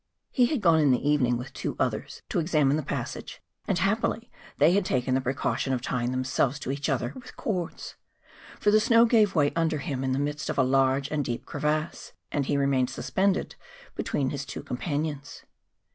He had gone in the evening with two others to examine the passage; and happily they had taken the precaution of tying themselves to each other with cords; for the snow gave way under him in the midst of a large and deep crevasse ; and he remained suspended between his two com¬ panions.